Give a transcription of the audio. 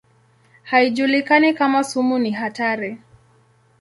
Haijulikani kama sumu ni hatari.